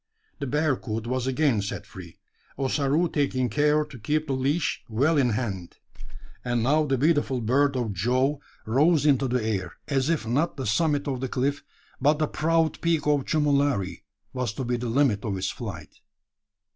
The bearcoot was again set free Ossaroo taking care to keep the leash well in hand; and now the beautiful bird of Jove rose into the air, as if not the summit of the cliff, but the proud peak of Chumulari, was to be the limit of its flight.